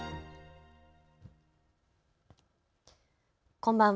こんばんは。